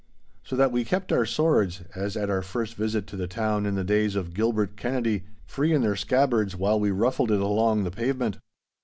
So that we kept our swords, as at our first visit to the town in the days of Gilbert Kennedy, free in their scabbards while we ruffled it along the pavement.